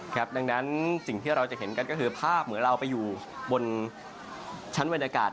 ดังนั้นสิ่งที่เราจะเห็นกันก็คือภาพเหมือนเราไปอยู่บนชั้นบรรยากาศ